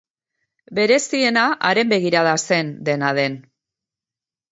Bereziena haren begirada zen, dena den.